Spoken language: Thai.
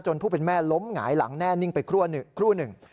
ผู้เป็นแม่ล้มหงายหลังแน่นิ่งไปครู่หนึ่ง